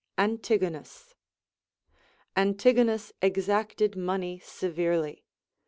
xA.NTiGONUS. Antigonus exacted money severely.